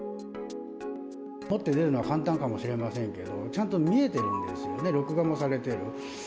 持って出るのは簡単かもしれませんけど、ちゃんと見えてるんですよね、録画もされてる。